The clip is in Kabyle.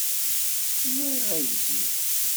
Ẓriɣ aydi.